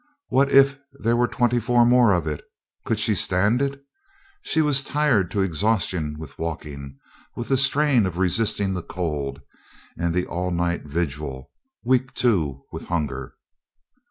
"What if there were twenty four more of it!" Could she stand it? She was tired to exhaustion with walking, with the strain of resisting the cold, and the all night vigil weak, too, with hunger.